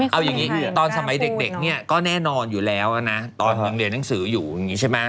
เอาอย่างนี้ตอนสมัยเด็กเนี่ยก็แน่นอนอยู่แล้วนะตอนยังเรียนหนังสืออยู่อย่างนี้ใช่ไหม